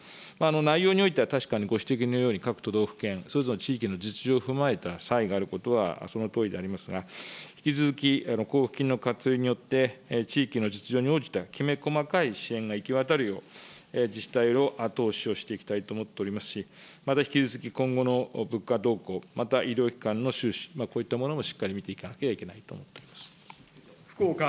内容においては、確かにご指摘のように、各都道府県それぞれの地域の実情を踏まえた差異があることはそのとおりでございますが、引き続き交付金の活用によって、地域の実情に応じたきめ細かい支援が行き渡るよう、自治体の後押しをしていきたいと思っておりますし、また引き続き、今後の物価動向、また医療機関の収支、こういったものもしっかり見ていかなければいけないと思っています。